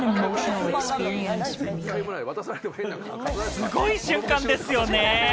すごい瞬間ですよね。